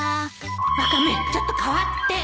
ワカメちょっと代わって